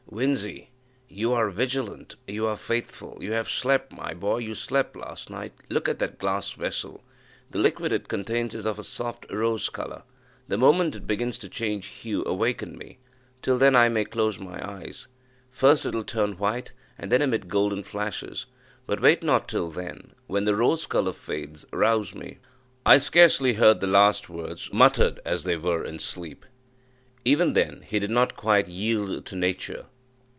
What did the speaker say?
Winzy, you are vigilant you are faithful you have slept, my boy you slept last night. Look at that glass vessel. The liquid it contains is of a soft rose colour: the moment it begins to change hue, awaken me till then I may close my eyes. First, it will turn white, and then emit golden flashes; but wait not till then; when the rose colour fades, rouse me." I scarcely heard the last words, muttered, as they were, in sleep. Even then he did not quite yield to nature.